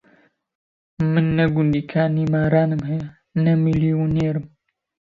من نە گوندی کانیمارانم هەیە، نە میلیونێرم